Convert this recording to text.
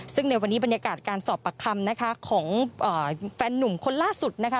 ซึ่งในวันนี้บรรยากาศการสอบปากคำนะคะของแฟนหนุ่มคนล่าสุดนะคะ